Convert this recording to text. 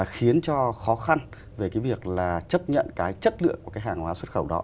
khiến cho khó khăn về cái việc là chấp nhận cái chất lượng của cái hàng hóa xuất khẩu đó